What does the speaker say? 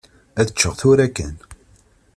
Ad ččeɣ tura kan.